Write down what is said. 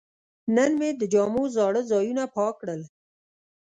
نن مې د جامو زاړه ځایونه پاک کړل.